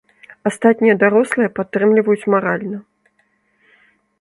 Астатнія дарослыя падтрымліваюць маральна.